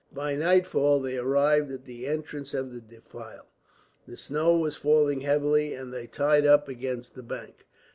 By nightfall they arrived at the entrance of the defile. The snow was falling heavily, and they tied up against the bank.